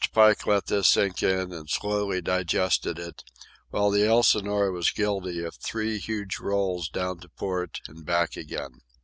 Pike let this sink in and slowly digested it, while the Elsinore was guilty of three huge rolls down to port and back again.